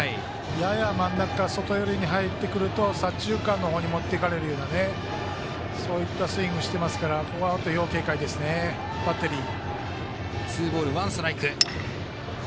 やや真ん中から外寄りに入ってくると左中間の方に持っていかれるようなそういったスイングしてますから要警戒ですね、バッテリー。